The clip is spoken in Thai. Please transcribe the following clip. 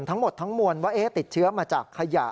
ทั้งหมดทั้งมวลว่าติดเชื้อมาจากขยะ